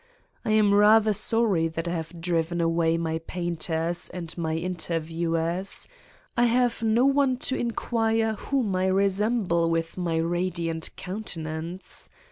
I am rather sorry that I have driven away my painters and my interviewers: I have no one to inquire whom I resemble with my radi ant countenance?